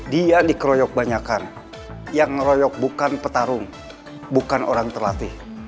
dia dikeroyok banyakan yang ngeroyok bukan petarung bukan orang terlatih